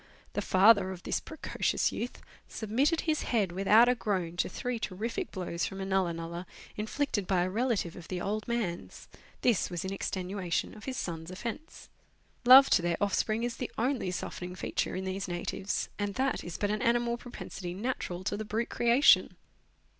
The father of this pre cocious youth submitted his head without a groan to three terrific blows from a nulla nulla, inflicted by a relative of the old man's. This was in extenuation of his son's offence. Love to their offspring is the only softening feature in these savages, and that is but an animal propensity natural to the brute creation.